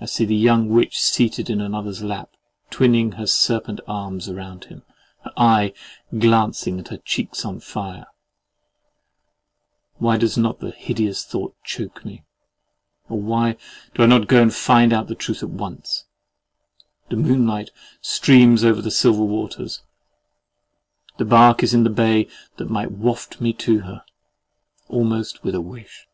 I see the young witch seated in another's lap, twining her serpent arms round him, her eye glancing and her cheeks on fire—why does not the hideous thought choke me? Or why do I not go and find out the truth at once? The moonlight streams over the silver waters: the bark is in the bay that might waft me to her, almost with a wish.